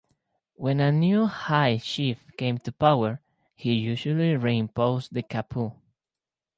When a new high chief came to power, he usually re-imposed the kapu.